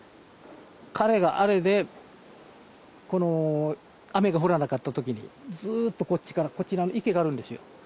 彼があれでこの雨が降らなかった時にずーっとこっちからこちらに池があるんですよ。